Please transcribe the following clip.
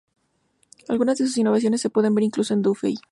Algunas de sus innovaciones, se puede ver incluso en Dufay.